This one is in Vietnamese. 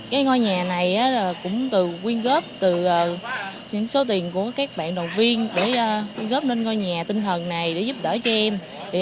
cái ngôi nhà này cũng quyên góp từ số tiền của các bạn đồng viên để góp lên ngôi nhà tinh thần này để giúp đỡ cho em